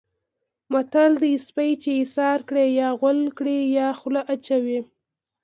متل دی: سپی چې ایسار کړې یا غول کړي یا خوله اچوي.